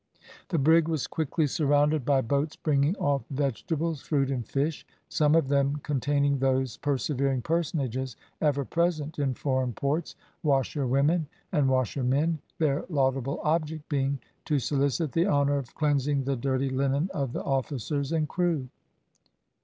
The brig was quickly surrounded by boats bringing off vegetables, fruit, and fish, some of them containing those persevering personages ever present in foreign ports, washerwomen and washermen, their laudable object being to solicit the honour of cleansing the dirty linen of the officers and crew.